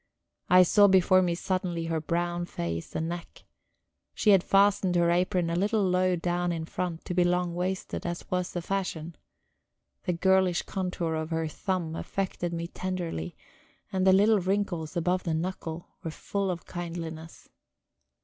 I saw before me suddenly her brown face and neck; she had fastened her apron a little low down in front, to be long waisted, as was the fashion; the girlish contour of her thumb affected me tenderly, and the little wrinkles above the knuckle were full of kindliness.